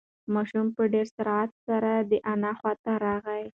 ماشوم په ډېر سرعت سره د انا خواته راغی.